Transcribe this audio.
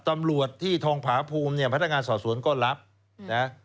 ตำรวจที่ทองผาพูมเนี่ยพัฒนาการส่อสวนก็รับนะ